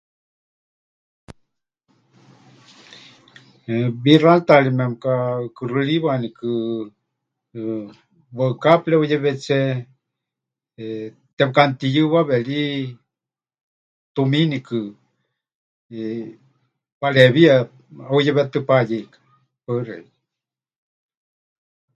Wixáritaari memɨkaʼukuxɨriwanikɨ, eh, waɨká pɨreuyewetsé, eh, tepɨkaʼanutiyɨwawe ri tumiinikɨ, pareewiya heuyewetɨ́ payeika.